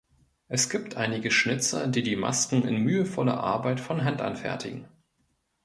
Es gibt einige Schnitzer, die die Masken in mühevoller Arbeit von Hand anfertigen.